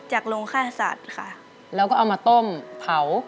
โรงฆ่าสัตว์ค่ะแล้วก็เอามาต้มเผา